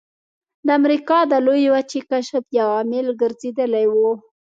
د امریکا د لویې وچې کشف یو عامل ګرځېدلی و.